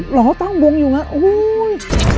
หรอตั้งบวงอยู่ไงอู้ย